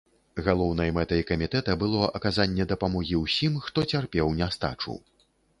Галоўнай мэтай камітэта было аказанне дапамогі ўсім, хто цярпеў нястачу.